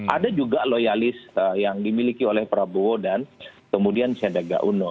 ada juga loyalis yang dimiliki oleh prabowo dan kemudian sedega uno